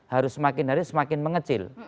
harus semakin hari semakin mengecil